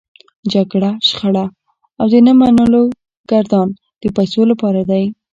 جګړه، شخړه او د نه منلو ګردان د پيسو لپاره دی.